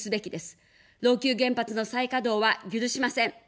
老朽原発の再稼働は許しません。